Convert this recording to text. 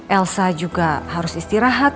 elsa juga harus istirahat